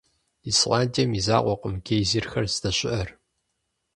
Исландием и закъуэкъым гейзерхэр здэщыӀэр.